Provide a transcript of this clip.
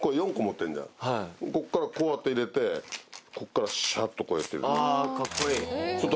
こっからこうやって入れてこっからシャっとこうやって。